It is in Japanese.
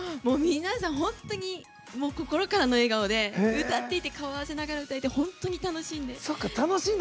皆さん、本当に心からの笑顔で歌っていて顔を合わせながら本当に楽しんで。